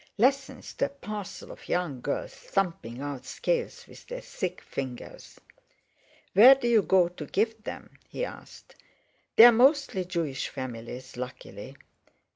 Lessons to a parcel of young girls thumping out scales with their thick fingers. "Where do you go to give them?" he asked. "They're mostly Jewish families, luckily."